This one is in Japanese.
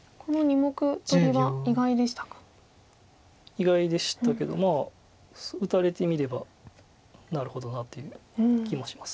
意外でしたけど打たれてみればなるほどなという気もします。